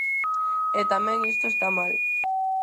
E tamén isto está mal.